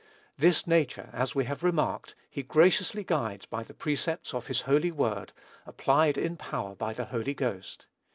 This nature, as we have remarked, he graciously guides by the precepts of his holy word, applied in power by the Holy Ghost.